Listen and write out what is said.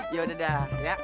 yaudah dah ya